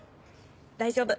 大丈夫！